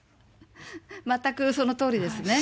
全くそのとおりですね。